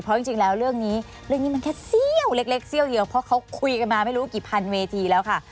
เพราะจริงแล้วเรื่องนี้เรื่องนี้มันแค่เสี้ยวเล็กเสี้ยวเดียวเพราะเขาคุยกันมาไม่รู้กี่พันเวทีแล้วค่ะ